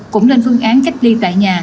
cũng lên phương án cách ly tại nhà